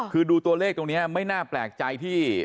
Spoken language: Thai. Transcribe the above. คือดูตัวเลขตรงนี้ไม่น่าแปลกใจที่